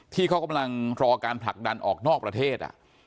ที่เขากำลังรอการผลักดันออกนอกประเทศ